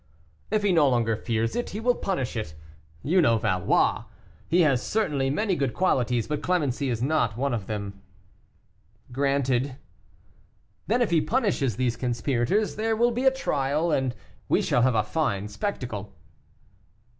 "If he no longer fears it, he will punish it; you know Valois, he has certainly many good qualities, but clemency is not one of them." "Granted." "Then if he punishes these conspirators there will be a trial, and we shall have a fine spectacle."